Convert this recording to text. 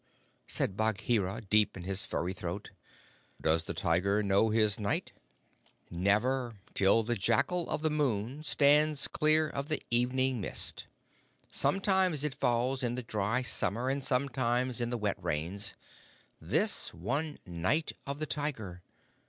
"Umm!" said Bagheera deep in his furry throat. "Does the Tiger know his Night?" "Never till the Jackal of the Moon stands clear of the evening mist. Sometimes it falls in the dry summer and sometimes in the wet rains this one Night of the Tiger.